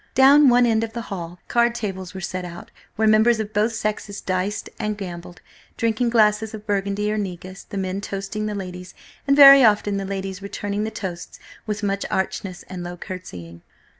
Down one end of the hall, card tables were set out, where members of both sexes diced and gambled, drinking glasses of burgundy or negus, the men toasting the ladies, and very often the ladies returning the toasts with much archness and low curtsying.